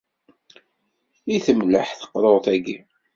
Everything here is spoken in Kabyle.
I temlaḥ teqrurt-agi!